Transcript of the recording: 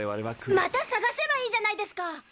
また探せばいいじゃないですか。